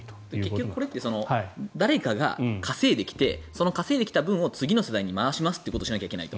結局これって誰かが稼いできてその稼いできた分を次の世代に回すことをしないといけない。